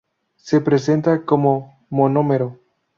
Se presenta como monómero.